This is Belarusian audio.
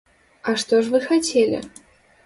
А што ж вы хацелі?